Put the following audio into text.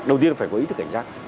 đầu tiên phải có ý thức cảnh sát